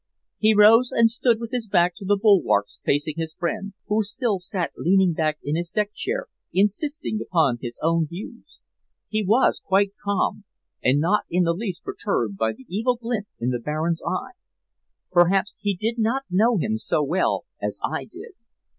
He rose and stood with his back to the bulwarks facing his friend, who still sat leaning back in his deck chair insisting upon his own views. He was quite calm, and not in the least perturbed by the evil glint in the Baron's eye. Perhaps he did not know him so well as I did.